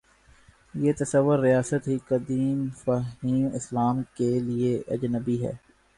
یہ تصور ریاست ہی قدیم فہم اسلام کے لیے اجنبی ہے۔